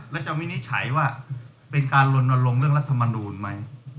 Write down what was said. แล้วจะวินิจฉัยว่าเป็นการลนลงเรื่องรัฐมนูลไหม